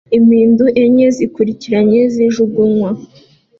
Impundu enye zikurikiranye zijugunywa